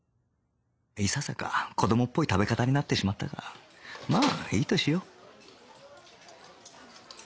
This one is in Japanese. いささか子どもっぽい食べ方になってしまったがまあいいとしよう